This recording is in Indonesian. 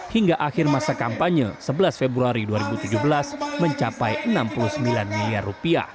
hingga akhir masa kampanye sebelas februari dua ribu tujuh belas mencapai rp enam puluh sembilan miliar